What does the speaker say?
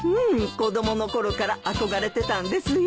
子供の頃から憧れてたんですよ。